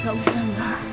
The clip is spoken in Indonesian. tidak usah mbak